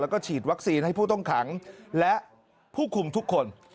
แล้วก็ฉีดวัคซีนให้ผู้ต้องขังและผู้คุมทุกคน